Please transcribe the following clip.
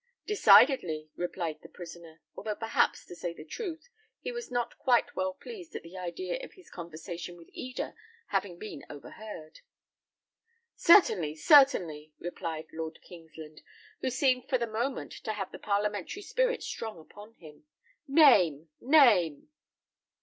"Decidedly," replied the prisoner; although perhaps, to say the truth, he was not quite well pleased at the idea of his conversation with Eda having been overheard. "Certainly, certainly," replied Lord Kingsland, who seemed for the moment to have the parliamentary spirit strong upon him. "Name, name!"